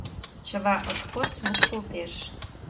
Чыла откос мушкылтеш.